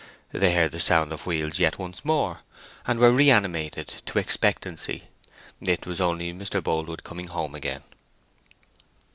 They heard the sound of wheels yet once more, and were re animated to expectancy: it was only Mr. Boldwood coming home again.